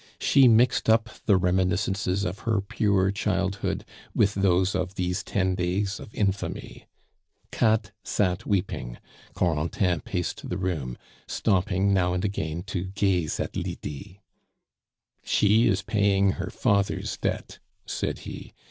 She mixed up the reminiscences of her pure childhood with those of these ten days of infamy. Katt sat weeping; Corentin paced the room, stopping now and again to gaze at Lydie. "She is paying her father's debt," said he.